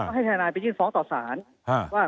แล้วเขาก็ไปร้องต่อสารว่า